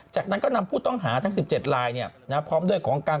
จากนั้นก็นำผู้ต้องหาทั้ง๑๗ลายพร้อมด้วยของการ